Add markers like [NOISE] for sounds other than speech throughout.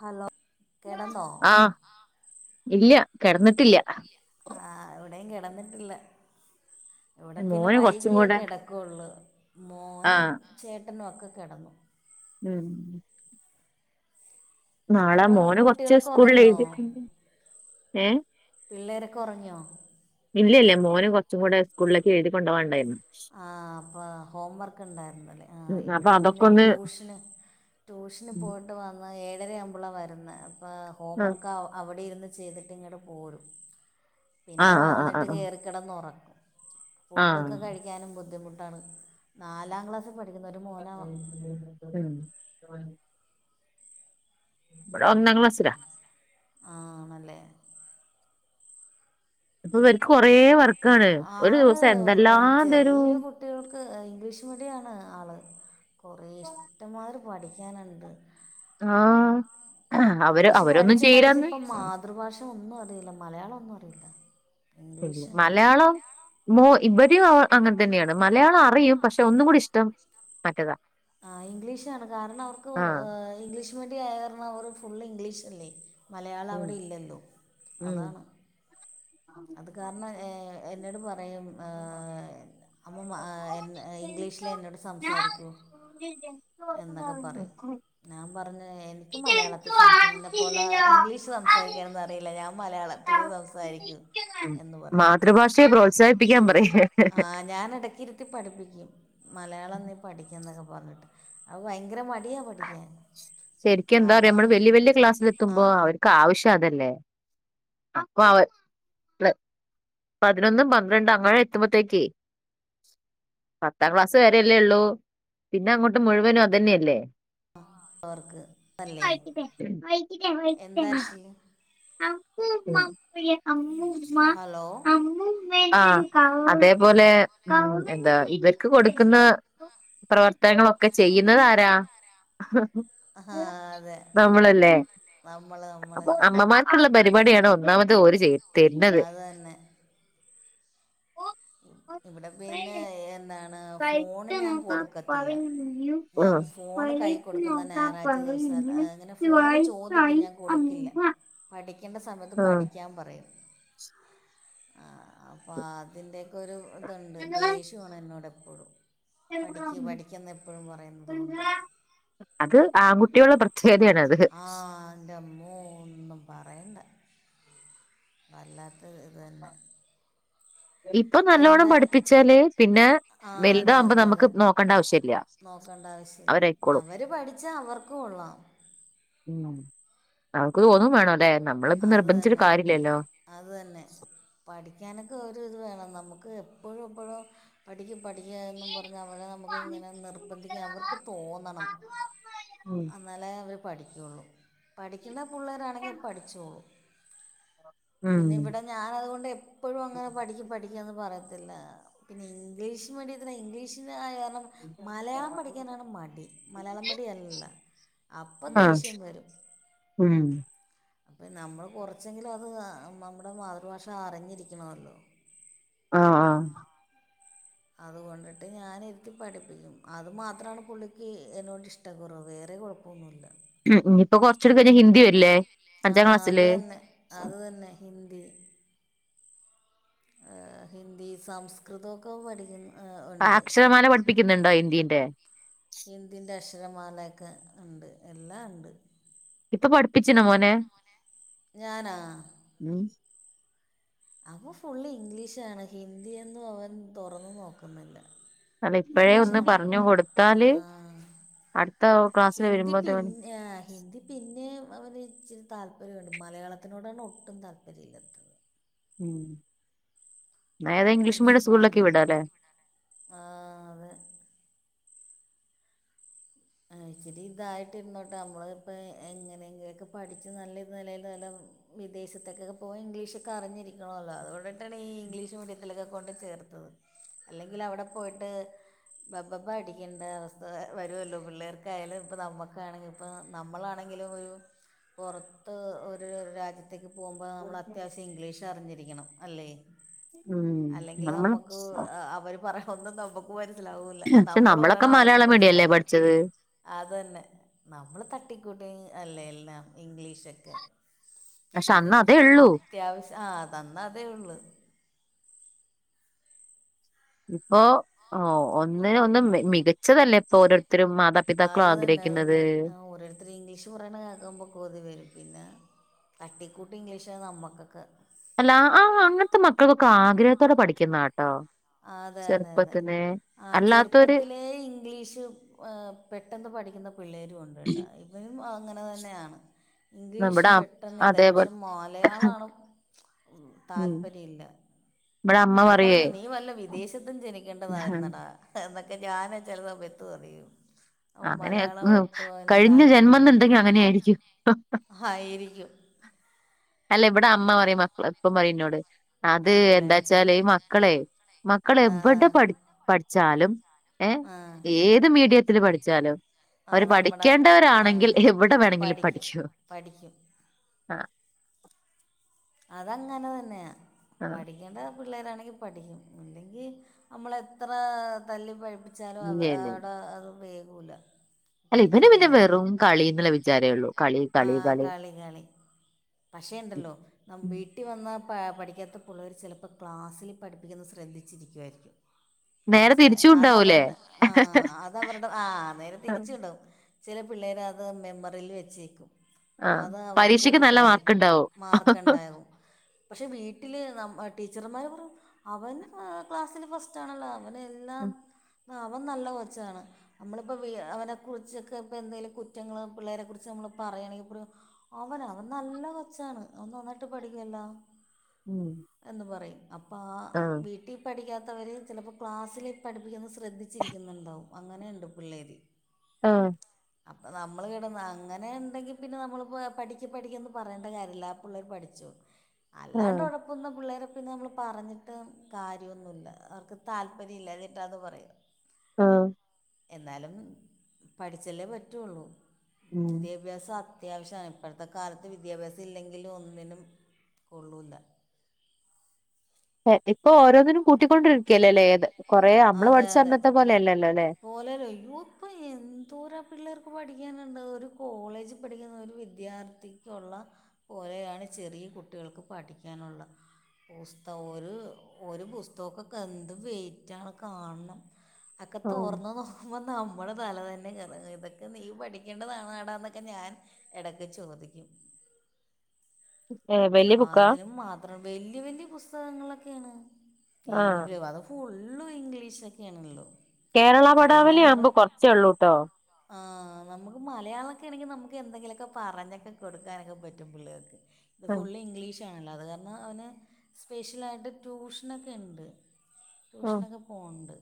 Hello കെടന്നോ? ആഹ് ഇല്ല കെട്ന്നിട്ടില്ല. ആഹ് ഇവിടെയു കെട്ന്നിട്ടില്ല. ഇവിടെ പിന്നെ മോന് വൈകിയേ കിടക്കൊള്ളു. ആഹ ട്ട ന്നോ ഉം നാളെ അവിടെ മോന് കൊർച്ച് കുട്ടികളൊക്കെ സ്കൂളിൽ ഉറങ്ങിയോ എഴുതിക്കണ്ട് ഏ പിള്ളേരൊക്കെ ഒറങ്ങിയോ? ഇല്ല ഇല്ല മോനും കൊർച്ചും കൂടെ സ്കളേക്ക് എഴുതി കൊണ്ടാവണ്ടയ്ര്ന്ന്. ആഹ അപ്പൊ ഹോം വർക്ക് ഇണ്ടായിരുന്നല്ലേ, ആ ഉം അപ്പൊ ഇവിടെ അതൊക്കെ പിന്നെ ഒന്ന് ട്യൂഷന് ട്യൂഷന് പോയിട്ട വാങ്ങ ഏ. ഞ്ചര ആവുമ്പള വരുന്നെ, അപാ ആഹ് ഹോംവർക്കാ അവിടിരുന്ന് ചെയ്തിട്ട് ങ്ങ്ട് പോരും. പിന്നെ ആഹ് വന്നിട്ട് കയറിക്കിടന്ന് ഒറങ്ങ് ആഹ. നും ബുദ്ധിമുട്ടാണ് നാലാക്ലാസ്സ് [INAUDIBLE] ഇബടെ ഒന്നാ ക്ലാസിലാ. ആണല്ലേ പ്പൊ ഇവർക്ക് കൊറെ വർക്കാണ്, ഒരു ദിവസെൻ ഉ എന്ത് ചെറിയ കുട്ടികൾക്ക് ഇംഗ്ലീഷ് മീഡിയാണ് ആള്. കുറെേ ഇഷ്ടമാത്‌രി പഠിക്കാനുണ്ട്. ആഹ ഇഗ്ലീഷ് പഠിച്ച് പഠിച്ച് ഇപ്പം മാതൃഭാഷ ഒന്നു അറിയില്ല, മലയാളൊന്നു അറിയില്ല. ഇംഗ്ലീഷ് മലയാളം മോ ഇപടിയോ അവ അങ്ങൻ തന്നെയാണ്, മലയാളം അറിയും പക്ഷെ ഒന്നും കൂടി ഇഷ്ടം മറ്റേതാ. ആ ഇംഗ്ലീഷ് ആണ്, കാരണ അവർക്ക് ആഹ് ഇംഗ്ലീഷ് മീഡിയം ആയർനവർ ഫുള്ള് ഇംഗ്ലീഷ്ല്ലേ, മലയാളം ഉം അവിടെ ഇല്ലല്ലോ ഉം അതാണ്. അത് കാരണം ഏ എന്നോട് പറയും ഏ അമ്മൂമ്മ എ ഇൻ ഇംഗ്ലീഷിലെന്നോട് സംസാരിക്കോ? [INAUDIBLE] എന്നൊക്കെ പറയും. ഞാൻ പറഞ്ഞു എനിക്ക് മലയാളത്തിൽ സംസെ നിന്നെ പോലെ ഇംഗ്ലീ ഷ് സംസാരിക്കാനൊന്നറിയില്ല, ഞാൻ മലയാളത്തില് സംസാരിക്കു. മാതൃഭാഷയെ പ്രോത്സാഹിപ്പിക്കാൻ പറയ്. ആ് ഞാനെടക്കിരുത്തി പഠിപ്പിക്കും മലയാള നീ പഠിക്കുന്നൊക്കെ പറഞ്ഞിട്ട് അഅ്ഭയങ്കരമല്ല ശരിക്കെന്താറിയോ മ്മള് വല്യ വല്യ ക്ലാസ്സിലെത്തുമ്പോ അവർക്ക് ആവശ്യ അതല്ലേ അപ്പൊ അവ ള് പതിനൊന്നും പന്ത്രണ്ട് അങ്ങനെത്തുമ്പോത്തേക്ക് പത്താം ക്ലാസ്സ് വരല്ലേ ഉള്ളൂ, പിന്നെ അങ്ങോട്ട് മുഴുവനും ഒന്നെയല്ലേ. അവർക്ക് അല്ലേ എന്താ വിഷയം [INAUDIBLE] [INAUDIBLE] [INAUDIBLE] ഹലോ അതേപോലെ എന്താ ഇവർക്ക് കൊടുക്കുന്ന പ്രവർത്തനങ്ങളൊക്കെ ചെയ്യുന്നതാരാ ആ, അതെ നമ്മളല്ലേ നമ്മൾ നമ്മൾ അപ്പൊ അമ്മമാര്ക്ക് പരിപാടിയാണ് ഒന്നാമത് ഓര് ചെയ്യണ് അതന്നെ ഇവിടെ പിന്നെ എന്നാ ആ ഞാൻ ഫോൺ കൈ കൊടുക്കുന്ന ഞായറാഴ്ച [INAUDIBLE] ദിവസം അങ്ങനെ ഫോണ് ചോദിക്കും ഞാൻ കൊടുക്കില്ല പഠിക്ക പഠിക്കണ്ട സമയത്ത് ഉം പഠിക്കാൻ പറയും ആ അപ്പൊ അതിന്റെ ക്കെ ഒരു ഇതുണ്ട് ദേഷ്യമാണ് എന്നോട് എപ്പോഴും പഠിക്ക് പഠിക്കെന്ന് എപ്പോഴും പറയുന്നത് കൊണ്ട് അത് ആൺകുട്ടിയോളെ പ്ര [INAUDIBLE] ആ ന്റമ്മോ ഒന്നും പറയണ്ട വല്ലാത്തത് തന്നെ ഇപ്പൊ നല്ലോണ്ണം എന്താ പഠിപ്പിച്ചാല് പിന്നെ ആ അതെ വലുതാകുമ്പോ അതെ നമുക്ക് അതെ നോക്കണ്ട ആവശ്യല്ല നോക്കേണ്ട ആവശ്യല്ല അവര് പഠിച്ചാ അവർക്കു കൊള്ളാം ഉം അവക്ക് തോന്നും വേണൊല്ലെ നമ്മളിപ്പ അത് നിർബന്ധിചിട്ട് തന്നെ കാര്യല്ലല്ലോ അത് തന്നെ പഠിക്കാനൊക്കെ ഒരു ഇത് വേണം നമുക്ക് എപ്പോഴും എപ്പോഴും പഠിക്ക് പഠിക്കാ എന്നും പറഞ്ഞ അവരെ നമുക്ക് ഇങ്ങനെ നിർബന്ധിക്കാം അവർക്ക് തോന്നണം ഉം അന്നാലെ അവര് പഠിക്കുള്ളൂ പഠിക്കുന്ന പുള്ളേരാണെങ്കി പഠിച്ചോളു പിന്നെ ഇവിടെ ഞാൻ അതുകൊണ്ട് എപ്പഴും അങ്ങനെ പഠിക്ക് പഠിക്ക് ക്കെന്ന് പറയത്തില്ല പിന്നെ ഇംഗ്ലീഷ് മീഡിയത്തിന് ഇംഗ്ലീഷിന്റെ കാര്യാ മലയാളം പഠിക്കാനാണ് മടി മലയാള മീഡിയം അല്ലല്ലോ അപ്പൊ ആഹ് ദേഷ്യം വരും ഉം അപ്പ നമ്മൾ കുറച്ചെങ്കിലും അത് നമ്മുടെ മാതൃഭാഷ അറിഞ്ഞിരിക്കണവല്ലോ ആ ആ അതുകൊണ്ടിട്ട് ഞാനിരുത്തി പഠിപ്പിക്കും അത് മാത്രാണ് പുള്ളിക്ക് എന്നോട് ഇഷ്ട കുറവ് വേറെ കൊഴപ്പൊന്നുല്ല ഉം ഞ്ഞിപ്പൊ കൊറച്ചുടി കഴിഞ്ഞ ഹിന്ദി വരില്ലേ ആ അഞ്ചാം അതു ക്ലാസ്സില് തന്നെ അതു തന്നെ ഹിന്ദി ഹിന്ദി സംസ്കൃതൊക്കെ പഠിക്കുന്നു അ അക്ഷരമാല പഠിപ്പിക്കുന്നുണ്ടോ ഹിന്ദിന്റെ അക്ഷരമാലക്കെ ഇണ്ട് എല്ലാം ഇണ്ട് ഇപ്പൊ പഠിപ്പിച്ചിണോ മോനെ ഞാനാ അവൻ ഫുള്ള് ഇംഗ്ലീഷാണ് ഹിന്ദിയൊന്നും അവൻ തൊറന്നു നോക്കുന്നില്ല അല്ല ഇപ്പഴേ ഒന്ന് ഇംഗ്ലീഷാണ് പറഞ്ഞു അവിടെ കൊടുത്താല് ആ അടുത്ത ക്ലാസ്സില് ഹിന്ദി വരുമ്പോത്തേന് പിന്നെ ഹിന്ദി പിന്നെ അവന് ഇച്ചിരി താല്പര്യമുണ്ട് മലയാളത്തിനോടാണ് ഒട്ടും താല്പര്യം ഇല്ലാത്തത് ഉം ഏതാ അതാണ് ഇംഗ്ലീഷ് കുറച്ച് മീഡിയം സ്കൂളിലൊക്കെ പണി വിടാല്ലേ ആ അതെ ആ ഇച്ചിരി ഇതായിട്ട് ഇരുന്നോട്ടെ നമ്മള് ഇപ്പ എങ്ങനെങ്കിലൊക്കെ പഠിച്ച് നല്ല നിലേൽ നല്ല വിദേശത്ത്ക്കൊക്കെ പോയാൽ ഇംഗ്ലീഷ്ക്കെ അറിഞ്ഞിരിക്കണല്ലോ അതുകൊണ്ടട്ടാണ് ഈ ഇംഗ്ലീഷ് മീഡിയത്തിലൊക്കെ കൊണ്ട് ചേർ [INAUDIBLE] അല്ലെങ്കിൽ അവിടെ പോയിട്ട് ബബ്ബബ്ബ അടിക്കേണ്ട അവസ്ഥ വരു വരുവല്ലോ പിള്ളേർക്കായാലും ഇപ്പ നമ്മുക്കാണെങ്കിപ്പ നമ്മളാണെങ്കിലും ഒരു പൊറത്ത് ഒരു രാജ്യത്തേക്ക് പോകുമ്പോ നമ്മൾ അത്യാവശ്യം ഇംഗ്ലീഷ് അറിഞ്ഞിരിക്കണം അല്ലേ ഉം അല്ലെങ്കിൽ നമ്മള് നമുക്ക് അവര് പറയാ ഒന്നും നമ്മുക്ക് മനസ്സിലാവൂല്ല പക്ഷെ നമ്മൾ നമ്മളൊക്കെ പറയണ അവർക്കും മലയാളം മീഡിയം അല്ലേ മനസ്സിലാവൂല്ല പഠിച്ചത് അത് തന്നെ നമ്മള് തട്ടിക്കൂട്ടി അല്ലേ എല്ലാം ഇംഗ്ലീഷൊക്കെ പക്ഷെ അന്ന് അതേ ഉള്ളൂ അത്യാവശ്യം ആഹ് തന്ന് അതേ ഉള്ളു ഇപ്പൊ ഓ ഒന്നിനൊന്ന് മികച്ചതല്ലേ ഇപ്പൊ ഓരോരുത്ത അത് തന്നെ അത് തന്നെ ഓരോരുത്തർ ഇംഗ്ലീഷ് പറയണ കേക്കുമ്പോ കൊതി വരും പിന്നെ തട്ടിക്കൂട്ടി ഇംഗ്ലീഷ് നമ്മക്കൊക്കെ അല്ല ആഹ് അങ്ങനത്തെ മക്കൾക്കൊക്കെ ആഗ്രഹത്തോടെ പഠിക്കുന്നാട്ടോ അതെ അതെ അതെ ചെറുപ്പത്തിനെ ആ അല്ലാത്തൊരു ചെറുപ്പത്തിലെ ഇംഗ്ലീഷ് പെട്ടെന്ന് പഠിക്കുന്ന പിള്ളേരും ഉണ്ട്ട്ടോ ഇവനും അങ്ങനെ തന്നെയാണ് ഇംഗ്ലീഷ് നമ്മുടെ പെട്ടെന്ന് ഇതായി അതേപോലെ പക്ഷെ മലയാളാണ് ഉം താൽപര്യല്ല ഇവിടെ അമ്മ പറയേ നീ വല്ല വിദേശത്തും ജനിക്കേണ്ടതായിരുന്നടാ എന്നൊക്കെ ഞാന ചെല സമയത്തു പറിയും അപ്പ അങ്ങനെ മലയാളം ഒട്ടും അവന് കഴിഞ്ഞ താല്പര്യം ഇല്ലാത്ത ജന്മംന്നുണ്ടെങ്കി പോലെ അങ്ങനെയായിരിക്കും ആയിരിക്കും അല്ല ഇവിടാ അമ്മ പറയും മക്കള ഇപ്പ പറയും ഇന്നോട് അത് ആണല്ലേ എന്താ ച്ചാല് ഈ മക്കളെ മക്കള ആ ആ എവിടെ പഠി പഠിച്ചാലും ഏ ആ ഏത് മീഡിയത്തില് പഠിച്ചാലും ആ അവര് നമ്മുടെ ആ പഠിക്കേണ്ടവരാണെങ്കിൽ എവിടെ വേണമെങ്കിലും പഠിക്കും പഠിക്കും ആ അതങ്ങനെ തന്നെയാണ് ആ പഠിക്കേണ്ട പിള്ളേരാണെങ്കിൽ പഠിക്കും അല്ലെങ്കിൽ നമ്മള എത്ര തല്ലി പഴിപ്പിച്ചാലും ഇല്ല ച്ചാലും ഇല്ല ഇല്ല അവിടെ അതും വേകൂല്ല അല്ല ഇതിന് പിന്നെ വെറും കളിന്നുള്ള വിചാരേള്ളൂ കളി കളി കളി ഉം, പക്ഷേണ്ടല്ലോ ഉം. വീട്ടിൽ വന്നാൽ പഠിക്കാത്ത പിള്ളേർ ചിലപ്പോൾ ക്ലാസ്സിൽ പഠിപ്പിക്കുന്നത് ശ്രദ്ധിച്ചിരിക്കുവായിരിക്കും നേരെ മനസിലായി തിരിച്ചും അത ഉണ്ടാവൂലേ അവരുടെ ആഹ അതവരുടെ ആഹ നേരെ തിരിച്ചുണ്ടാവും ചില പിള്ളേർ അത് മെമ്മറിയിൽ വെച്ചേക്കും ആ പരീക്ഷയ്ക്ക് നല്ല മാർക്ക് ഉണ്ടാവും ക്കെണ്ടായോ പക്ഷെ വീട്ടില് നമ്മ ടീച്ചർമാര് പറു അവൻ ക്ലാസ്സില് ഫസ്റ്റ് ആണല്ലോ അവന് എന്നാ ഉം ആ അവൻ നല്ല കുറച്ചാണ് നമ്മളിപ്പ അവൻ നല്ല കൊച്ചാണ്. അമ്മള് പ്പം അവനെ കുറിച്ചൊക്കെ ഇപ്പ എന്തെലും കുറ്റങ്ങള്പിള്ളേരെ കുറിച്ച് നമ്മ പറയയാണെങ്കിൽ പറയും അവനോ അവൻ നല്ല കൊച്ചാണ് ഒന്ന് നന്നായിട്ട് പഠിക്കല്ലോ ഉം എന്ന് പറയും അപ്പം ആ വീട്ടിൽ പഠിക്കാത്ത ത്തവര് ചിലപ്പോൾ ക്ലാസ്സിൽ പഠിപ്പിക്കുന്നത് ശ്രദ്ധിച്ചിരിക്കുന്നുണ്ടാവും അങ്ങനെയുണ്ട് പിള്ളേര് ആഹ അപ്പം നമ്മൾ കേടുന്ന അങ്ങനെ ഉണ്ടെങ്കിൽ പിന്നെ നമ്മളിപ്പോൾ പഠിക്ക പഠിക്കൊന്ന് പറയേണ്ട കാര്യമില്ല പിള്ളേർ പഠിച്ചു ആ അല്ലാണ്ട് ഉഴപ്പുന്ന പിള്ളേർ പിന്നെ നമ്മള് പറഞ്ഞിട്ട് കാര്യ ഒന്നുല്ല അവർക്ക് താല്പര്യം ഇല്ല ഞ്ഞിട്ടാ ന്ന് പറയാ ആഹ എന്നാലും പഠിച്ചല്ലേ പറ്റുള്ളൂ ഉം വിദ്യാഭ്യാസം അത്യാവശ്യാണ് ഇപ്പഴത്തെ കാലത്ത് വിദ്യാഭ്യാസം ഇല്ലെങ്കിൽ ൽ ഒന്നിനും കൊള്ളൂലാ ഇപ്പൊ ഓരോന്നിനും കൂട്ടിക്കൊണ്ടിരിക്കയല്ല അല്ലേ ഏത് കൊറേ നമ്മള് അതെ പഠിച്ച അതെ അന്നത്തെ പോലെയല്ലല്ലോ അല്ലെ പോലല്ലോയോ ഇപ്പൊ എന്തോരാ പിള്ളേർക്ക് പഠി പഠിക്കാനുള്ളത് ഒരു കോളേജ് പഠിക്കുന്ന ഒരു വിദ്യാർത്ഥിക്കുള്ള പോലെയാണ് ചെറിയ കുട്ടിക കുട്ടികൾക്ക് പഠിക്കാനുള്ളത് പുസ്തം ഒരു പുസ്തകൊക്കെ എന്ത് വെയ്റ്റാണ് കാണണം ഒക്കെ ആഹ് തോർന്ന നോ നമ്മള് തല തന്നെ കറങ്ങു ഇതൊക്കെ നീ പഠിക്കേണ്ടതാണ് എടാന്നൊക്കെ ഞാൻ ഇടയ്ക്ക് ചോദി ശബ്ദം ക്ലിയർ അല്ല അതിനും മാത്രം വല്യ വല്യ പുസ്തകങ്ങളൊക്കെ ആഹ് ഇങ്ക് അത് ഫുള്ള് ഇംഗ്ലീഷ് തന്നെയാണ്ള്ളത് കേരള പടാവലി ആവുമ്പം കൊറച്ചേ ഉള്ളൂട്ടോ ആ നമുക്ക് മലയാളക്കെ ആണെങ്കിൽ നമുക്ക് എന്തെങ്കിലുമൊക്കെ പറഞ്ഞൊക്കെ കൊടുക്കാനൊക്കെ പറ്റും പിള്ളേർക്ക് അത് ആഹ് ഫുള്ള് ഇംഗ്ലീഷാണല്ലോ അത് കാരണം അവന് സ്പെഷ്യലായിട്ട് ട്യൂഷനൊക്കെ ഇണ്ട് ആഹ് ട്യൂഷനൊക്കെ പോവ്ണ്ട്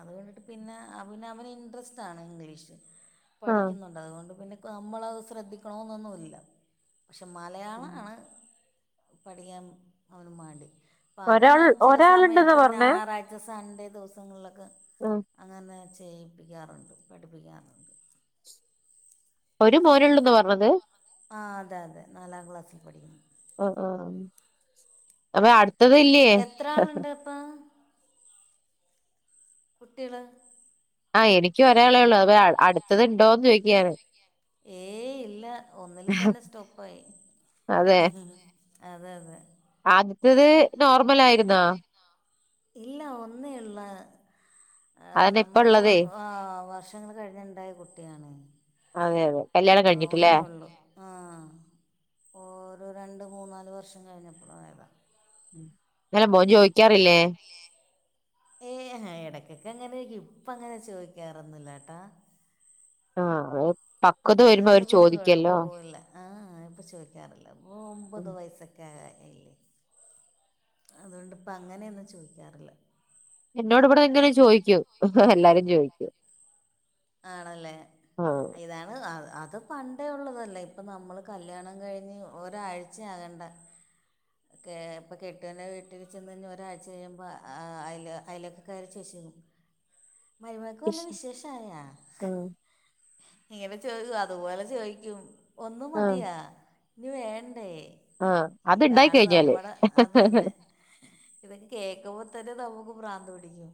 അത് കണ്ടിട്ട് പിന്നെ അവ അവന് ഇൻട്രസ്റ്റ് ആണ് ഇംഗ്ലീഷ് ആഹ് പഠിക്കുന്നുണ്ട് അതുകൊണ്ട് പിന്നെ നമ്മളത് ശ്രദ്ധിക്കണന്നൊന്നുല്ല പക്ഷെ മലയാളാണ് പഠിക്കാൻ അവന് മടി അപ്പ അത് ഒരാൾ ഞാൻ ചില ഒരാളുണ്ടെന്നാ സമയത്ത് പറഞ്ഞേ ഞായറാഴ്ച സണ്ടേ ദിവസങ്ങളിലൊക്കെ ആഹ് അങ്ങനെ ചെയ്യിപ്പിക്കാറുണ്ട് പഠിപ്പിക്കാറുണ്ട് ഒരു മോനുള്ളുന്നാ പറഞ്ഞത് ആ അതെ അതെ നാലാം ക്ലാസ്സിൽ പഠിക്കുന്നു ആ ആ അപ്പ അടുത്ത എത്ര ആളുണ്ട് ഇപ്പൊ കുട്ടികള് ആ എനിക്ക് ഒരളേള്ളു അ അടുത്തത് ഇണ്ടോന്ന് ചോദിക്കാര്ന്നു ഏയ് ഇല്ല ഒന്നില് തന്നെ സ്റ്റോപ്പ് ആയി അതെ അതെ അതെ ആദ്യത്തത് നോർമൽ ആയിരുന്നാ ഇല്ല ഒന്നേള്ള അതന്നെ ഇപ്പ നമ്മുക്ക് ഉള്ളതേ ആ വർഷ വർഷങ്ങൾ കഴിഞ്ഞട്ടുണ്ടായ കുട്ടിയാണ് അതെ അതെ കല്യാണം ആ കഴിഞ്ഞിട്ടില്ലേ ഒന്നേള്ളൂ ആ ഓ രണ്ട് മൂന്ന് നാല് വർഷം കഴിഞ്ഞപ്പം ആയത അങ്ങനെ മോൻ ചോദിക്കാറില്ലേ ഏ എടക്കൊക്കെ അങ്ങനെ ചോദിക്കും ഇപ്പ അങ്ങനെ ചോദിക്കാറൊന്നില്ലട്ടാ ആ പക്വത വരുമ്പോ അവര് ചോദിക്കല്ലോ ആ ഇപ്പം ചോദിക്കാറില്ല ഇ ഒമ്പത് വയസ്സൊക്കെ ആയില്ലെ അതുകൊണ്ട് ഇപ്പം അങ്ങനെയൊന്നും ചോദിക്കാറില്ല എന്നോട് ഇവിടെ ഇങ്ങനെ ചോദിക്കും എല്ലാരും ചോയിക്കും ആണല്ലേ ആഹ് ഇതാണ് ആ അത് പണ്ടേ ഉള്ളതല്ലേ ഇപ്പം നമ്മള് കല്ല്യാണം കഴിഞ്ഞ് ഒരാഴ്ചയാകേണ്ട ഇപ്പൊ കെട്ടുന്റെ വീട്ടിൽ ചെന്ന് കഴിഞ്ഞ് ഒരാഴ്ച കഴിയുമ്പോൾ അയ് അയിലൊക്ക കാര് ചോദിച്ചും ശബ്ദം ക്ലിയർ അല്ല മരുമേക്ക് വല്ല വിശേഷം ആയ ആഹ ഇങ്ങനെ ചോദിച്ചു അതുപോലെ ചോദിക്കും ഒന്നും മതിയാ ഇനി വേണ്ടേ ആ അത്ണ്ടായി ഇതാണ് കഴിഞ്ഞാല് നമ്മുടെ അത് തന്നെ ഇതൊക്കെ കേക്കുമ്പോ തന്നെ നമുക്ക് പ്രാന്ത് പിടിക്കും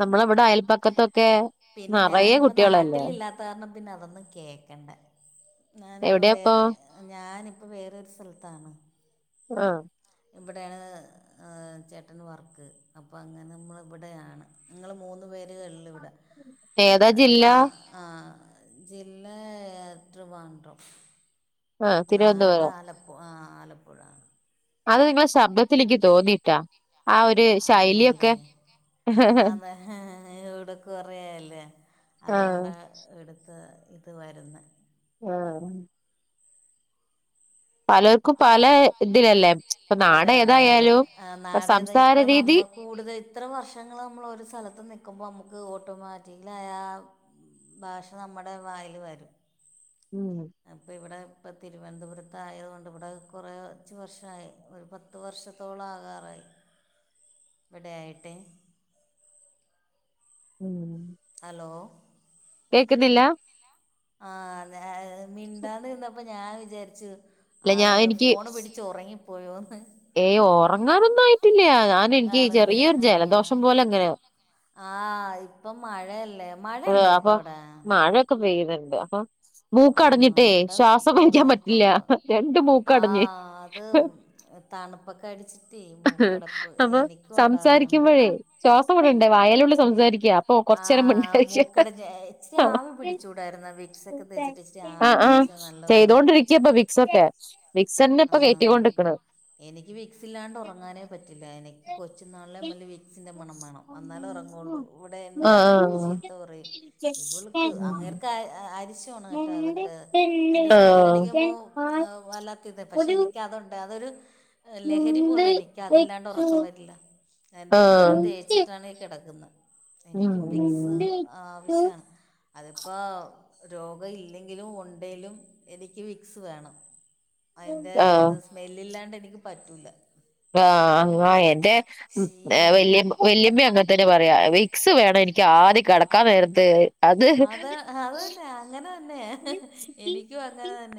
നമ്മളവിടെ അയൽപക്കത്തൊക്കെ പിന്നെ നിറയെ ഞാനിപ്പ കുട്ടികളല്ലേ നാട്ടിലില്ലാത്ത കാരണം പിന്നെ അതൊന്നും കേൾക്കണ്ട ഞാൻ ഇപ്പൊ എവിടെയാപ്പൊ വേറെ ഞാനെയ് വേറൊരു സ്ഥലത്താണ് ആ ഇവിടെയാണ് ചേട്ടന് വർക്ക് അപ്പോൾ അങ്ങനെ നമ്മൾ ഇവിടെയാണ് ഞങ്ങള് മൂന്ന് പേര് ഉള്ളൂ ഇവിടെ ഏതാ ജില്ല ആ ജില്ല ട്രിവാൻഡ്രം ആഹ് നാട് തിരുവനന്തപുരം ആലപ്പുഴ ആ ആലപ്പുഴ അത് നിങ്ങളെ ശബ്ദത്തിലെനിക്ക് തോന്നിയിട്ടാ എ ശൈലിയൊക്കെ. അതെ ഹേ യൗടെ കൊറേ അല്ലേ. ആഹ് അതുകൊണ്ട് എടുത്ത് ഇത് വരുന്ന്. ആഹ്. പലർക്കും പല പലൊൽക്കും പലെ ഇതിലല്ലേ തിലല്ലെ, ഇപ്പൊ നാട് അതെയതെ ഏതായാലും നാടേത ഇപ്പ സംസാര രീതി നമ്മ കൂടുതൽ ഇത്ര വർഷങ്ങൾ നമ്മൾ ഒരു സ്ഥലത്ത് നിൽക്കുമ്പോ മക്ക് ഒട്ടു- ട്ടോമാറ്റിക്കലായാ ഭാഷ നമ്മടെ വായിൽ വരും. ഉം അപ്പൊ ഇവിടെ. പ്പതിരുവനന്തപുരത്തയതുകൊണ്ട് വടെ കുറേ അഞ്ച് വർഷമായി ഒരു പത്ത് വർഷത്തോളാകാറായി. [INAUDIBLE] ഇവിടെയായിട്ട്. ഉം. ഹലോ. കേക്കുന്നില്ലാ? ആ അതെ അ മിണ്ടാതെര്ന്നപ്പൊ ഞാവിചാരിച്ചു. ഇല്ല ഞാൻ ആള് എനിക്ക് ഫോണ് പിടിച്ച് ഒറങ്ങിപ്പോയോ ഏയ് ഓറങ്ങാനൊന്നുആയിട്ടില്ല, ഞാനെൻകി ചെറിയൊരു ജലദോഷം പോലെങ്ങനെ. ആഹ് ഇപ്പം മഴ- ഉണ്ടോ അപ്പൊ ഇപ്പം അവിടെ മഴൊക്കെ പെയ്ണണ്ട് അപ്പൊ. ആഹ് മൂക്കടഞ്ഞിട്ടേ ഇവിടെ ശ്വാസംവൽക്കാൻ തോർന്ന് നിക്കുവാ പറ്റില്ല ഇപ്പൊ രണ്ട് മൂക്കടഞ്ഞ്- തണുപ്പൊക്കടിച്ചിട്ടേ മൂക്കടപ്പ് അപ്പൊ എനിക്കും ഉണ്ടാകാറുണ്ട്. വായിലുണ്ട് സംസാരിക്ക്യ. അപ്പൊ കൊർച്ചേരം മ്ണ്ട്- അ മൂക്കടഞ്ഞ് എ ഇച്ചിരി ആവി പിടച്ചൂടായിരുന്നോ വിക് സൊക്കെ തേച്ചിട്ട് ഇച്ചിരി ആവി പിടിച്ച നല്ലതാണ്. [UNINTELLIGIBLE] വികസൊക്കെ. ആഹ് എനിക്ക് വിക്സില്ലാണ്ട് ഉറങ്ങാനേ പറ്റില്ല. എനിക്ക് കൊച്ചു നാൾലെ മല്ല വിക്സിൻ്റെ മണം മാണം, എന്നാലേ ഉറങ്ങുള്ളൂ. ഇവിടെ എൻ്റെ ആ ആ ഹസ്ബൻഡ് ചീത്ത പറയും. ഇവൾക്ക് അങ്ങേർക്ക് അ അയച്ച് ക്വേണട്ടതൊക്കെ അയിൻ്റെ ഉം. സ്‌മെല്ലടിക്കുമ്പൊ അ വല്ലാ ത് പക്ഷെ എനിക്ക് അതുണ്ട് അതൊരു. ലഹരി പോലെ എനിക്ക് അതില്ലാണ്ടൊറക്കം വരില്ല. ഞാൻതെ ആ ഇപ്പഴും ആ തേച്ചിട്ടാണ് കിടക്കുന്ന്. എനിക്കും വിക്സ് ആഹ് ആവശ്യണ്. അതിപ്പോ രോഗ ഇല്ലെങ്കിലും ഒണ്ടേലും എനിക്ക് വിക്സ് വേണം. അതിന്റെ ഇത് സ്മെല് ഇല്ലാണ്ടെനിക്ക് പറ്റൂല ആഹ് അങ്ങനെനെ വ ശീലമാണ് വല്യ വല്യമ്മ അങ്ങനെ തന്നെ പറയാ വിക്സ് വേണം എനിക്ക് ക്ആദി കെടക്കാ നേരത്ത് അഹ് അതെ അതന്നെ അങ്ങനെ തന്നെ എനിക്കും അങ്ങനെ തന്നെ